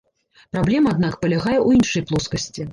Праблема, аднак, палягае ў іншай плоскасці.